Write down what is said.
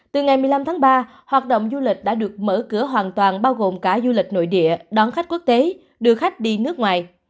từ ngày một mươi năm tháng ba hoạt động du lịch đã được mở cửa hoàn toàn bao gồm cả du lịch nội địa đón khách quốc tế đưa khách đi nước ngoài